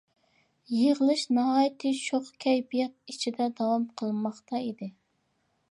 يىغىلىش ناھايىتى شوخ كەيپىيات ئىچىدە داۋام قىلماقتا ئىدى.